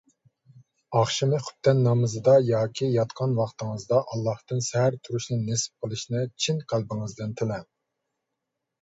ئاخشىمى خۇپتەن نامىزىدا ياكى ياتقان ۋاقتىڭىزدا ئاللاھتىن سەھەر تۇرۇشقا نېسىپ قىلىشنى چىن قەلبىڭىزدىن تىلەڭ.